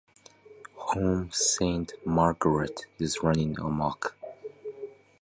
Home Sainte-Marguerite is running amok.